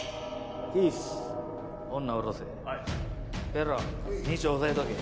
ペロ二丁を押さえとけ。